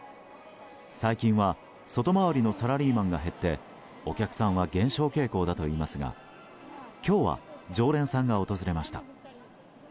最近は外回りのサラリーマンが減ってお客さんは減少傾向だといいますが今日は常連さんが訪れました。